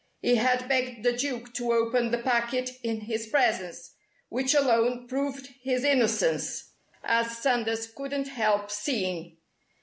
He had begged the Duke to open the packet in his presence, which alone proved his innocence, as Sanders couldn't help seeing.